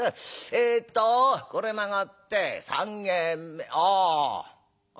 えっとこれ曲がって３軒目あああ